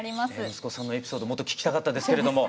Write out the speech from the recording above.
息子さんのエピソードもっと聞きたかったですけれども。